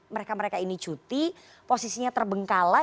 mereka mereka ini cuti posisinya terbengkalai